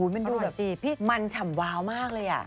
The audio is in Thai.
มันดูแบบมันฉ่ำวาวมากเลย